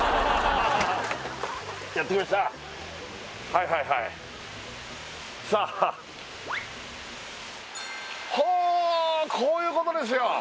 はいはいはいさあほこういうことですよ